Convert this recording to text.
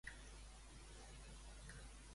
dites castellanes traduïdes literalment